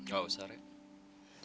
gak usah rek